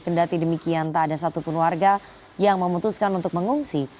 kendati demikian tak ada satupun warga yang memutuskan untuk mengungsi